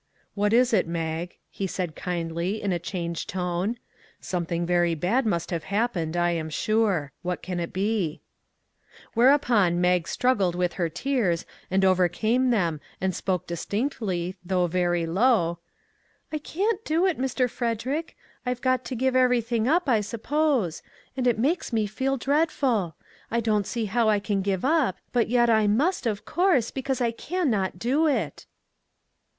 "What is it, Mag?" he said kindly, in a changed tone. " Something very bad must have happened, I am sure. " What can it be ?" Whereupon Mag struggled with her tears and overcame them and spoke distinctly, though very low :" I can't do it, Mr. Frederick ; I've got to give everything up, I suppose; and it makes me feel dreadful; I don't see how I can give up, but yet I must, of course, because I can not do it."